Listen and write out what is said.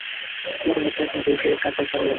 তোমাদের মধ্যে একজন বৈষয়িক কার্যের ভার লইবে।